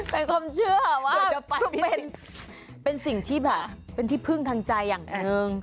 เป็นความเชื่อว่าเป็นสิ่งที่แบบเป็นที่พึ่งทางใจอย่างหนึ่ง